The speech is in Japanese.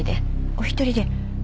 お一人で？